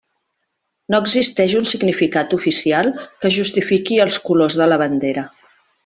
No existeix un significat oficial que justifiqui els colors de la bandera.